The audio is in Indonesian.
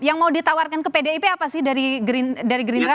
yang mau ditawarkan ke pdip apa sih dari gerindra